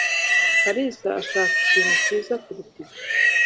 Kalisa arashaka ikintu cyiza kuruta ibyo.